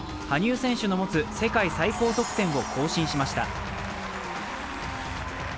羽生選手の持つ世界最高得点を更新しました。